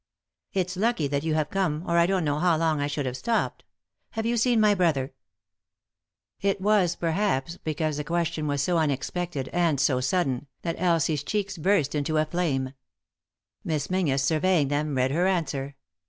It's lucky that you have come, or I don't know how long I should have stopped. Have you seen my brother ?" It was perhaps because the question was so unex pected, and so sudden, that Elsie's cheeks burst into a flame. Miss Menzies, surveying them, read her answer.